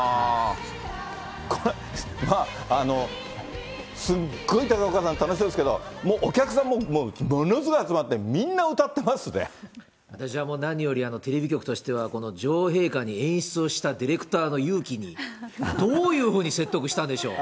これ、すごい高岡さん、楽しそうですけど、お客さんもものすごい集まって、みんな歌って私はもう、何より、テレビ局としては、この女王陛下に演出をしたディレクターの勇気に、どういうふうに説得したんでしょう。